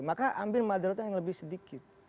maka ambil maderatnya yang lebih sedikit